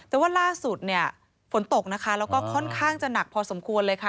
แต่ว่าล่าสุดเนี่ยฝนตกนะคะแล้วก็ค่อนข้างจะหนักพอสมควรเลยค่ะ